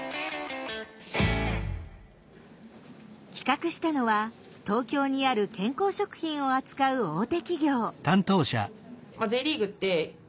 企画したのは東京にある健康食品を扱う大手企業。